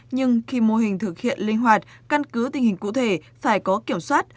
nhưng khi mô hình thực hiện linh hoạt căn cứ tình hình cụ thể phải có kiểm soát